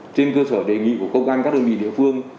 trên cơ sở đề nghị của công an các đơn vị địa phương